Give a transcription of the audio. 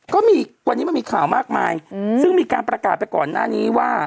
ก็มีวันนี้มันมีข่าวมากมายซึ่งมีการประกาศไปก่อนหน้านี้ว่า